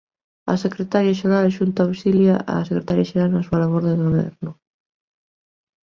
A secretaria xeral adxunta auxilia á secretaria xeral na súa labor de goberno.